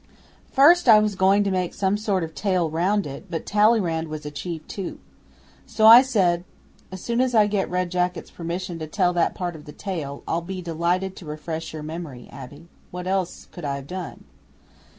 'First I was going to make some sort of tale round it, but Talleyrand was a chief too. So I said, "As soon as I get Red Jacket's permission to tell that part of the tale, I'll be delighted to refresh your memory, Abbe." What else could I have done?